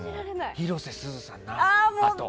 広瀬すずさんな、あと。